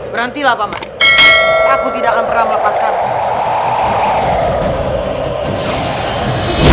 berhentilah paman aku tidak akan pernah melepaskan